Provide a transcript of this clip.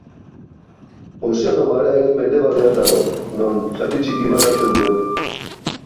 Ozeano Barearen mendebaldean dago, non zati txiki bat hartzen duen.